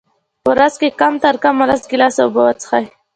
په ورځ کي کم ترکمه لس ګیلاسه اوبه وچیښئ